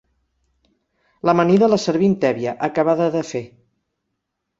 L'amanida la servim tèbia, acabada de fer.